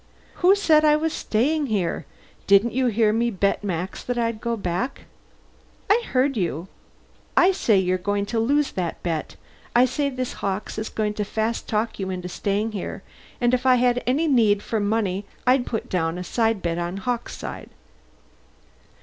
"Who said I was staying here? Didn't you hear me bet Max that I'd go back?" "I heard you. I say you're going to lose that bet. I say this Hawkes is going to fast talk you into staying here and if I had any need for money I'd put down a side bet on Hawkes' side."